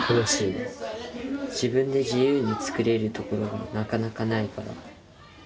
自分で自由に作れるところがなかなかないから。